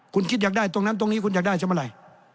คุณคิดอยากได้ตรงนั้นตรงนี้คุณอยากได้ซะเมื่อไหร่